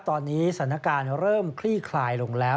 ตอนนี้สถานการณ์เริ่มคลี่คลายลงแล้ว